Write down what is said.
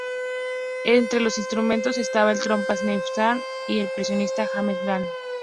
Entre los instrumentistas estaba el trompa Neill Sanders y el percusionista James Blades.